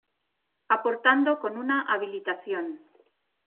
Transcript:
Aportando con una habilitación.